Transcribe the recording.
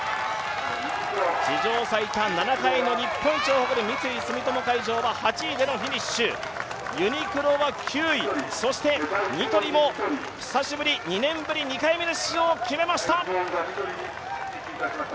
史上最多７回の日本一を誇る三井住友海上は８位でのフィニッシュ、ユニクロは９位、そしてニトリも久しぶり、２年ぶり２回目の出場を決めました。